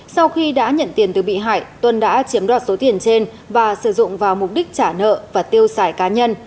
sau khi đã nhận tiền từ bị hại tuân đã chiếm đoạt số tiền trên và sử dụng vào mục đích trả nợ và tiêu xài cá nhân